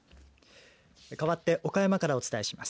かわって岡山からお伝えします。